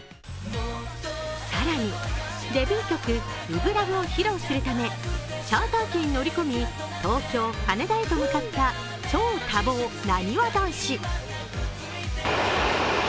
更に、デビュー曲「初心ＬＯＶＥ」を披露するためチャーター機に乗り込み東京・羽田へと向かった超多忙、なにわ男子。